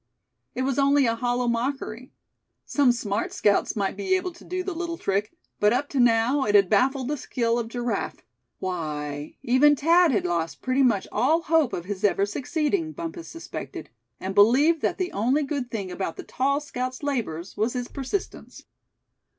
It was only a hollow mockery. Some smart scouts might be able to do the little trick; but up to now it had baffled the skill of Giraffe. Why, even Thad had lost pretty much all hope of his ever succeeding, Bumpus suspected; and believed that the only good thing about the tall scout's labors was his persistence.